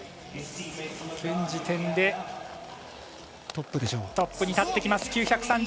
現時点でトップに立ってきます。